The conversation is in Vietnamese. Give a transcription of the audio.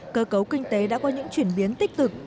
cơ cấu kinh tế đã có những chuyển biến tích cực